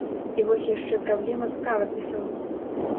І вось яшчэ праблема з правапісам.